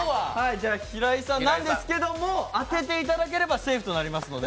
じゃ、平井さんなんですけれども当てていただければセーフとなりますので。